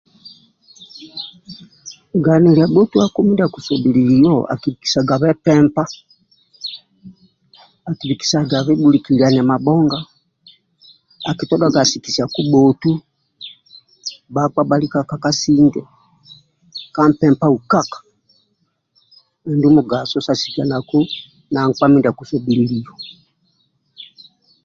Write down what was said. Ganilia bhotuako mindia akusobhililio akibikisagabe mpempa akibikisagabe bhulikidhiani mabhonga akitodhaga asikisia kubhotu bhakpa bhalika ka kasinge ka mpempa ukaka injo andulu mugaso sa sikianaku na nkpa mindia akusobhililio